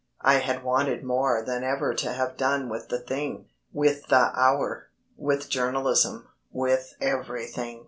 I had wanted more than ever to have done with the thing, with the Hour, with journalism, with everything.